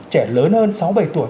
trẻ lớn hơn sáu bảy tuổi